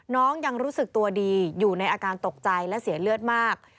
ยังรู้สึกตัวดีอยู่ในอาการตกใจและเสียเลือดมาก